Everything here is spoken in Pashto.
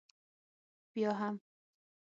بیا هم؟